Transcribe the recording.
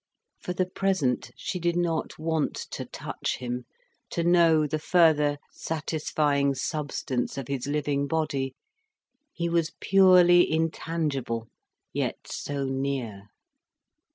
For the present she did not want to touch him, to know the further, satisfying substance of his living body. He was purely intangible, yet so near.